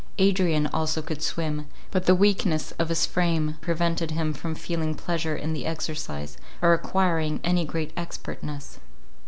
Adrian also could swim—but the weakness of his frame prevented him from feeling pleasure in the exercise, or acquiring any great expertness.